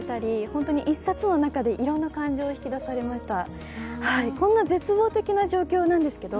本当に一冊の中でいろんな感情を引き出されました。